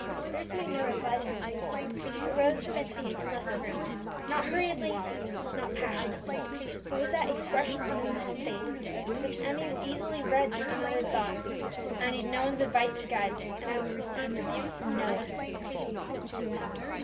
Bruce made no reply to his sister, but rose from his seat and left the room; not hurriedly, not passionately, but with that expression on his calm face in which Emmie easily read the unuttered thought, "I need no one's advice to guide me, and I will receive rebuke from no one."